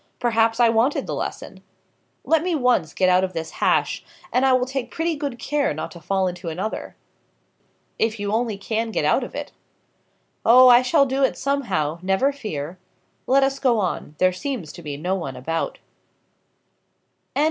Perhaps I wanted the lesson. Let me once get out of this hash, and I will take pretty good care not to fall into another." "If you only can get out of it." "Oh, I shall do it, somehow; never fear. Let us go on, there seems to be no one about." CHAPTER X.